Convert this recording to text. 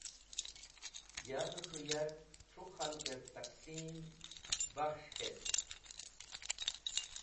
Yavẽ k̃hũ yark tru k̃halgẽr taqsim/ bakhs̃h k̃hetk.